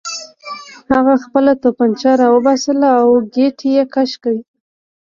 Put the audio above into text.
هغه خپله توپانچه راوباسله او ګېټ یې کش کړ